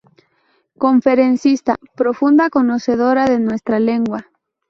Conferencista; profunda conocedora de nuestra lengua.